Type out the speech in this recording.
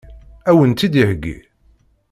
Ad wen-tt-id-iheggi?